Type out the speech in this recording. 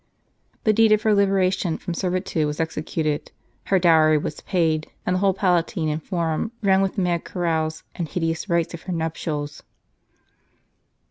The deed of her liberation from servitude was executed, her dowry was paid, and the whole Palatine and Forum rung with the mad carouse and hideous rites of her nuptials.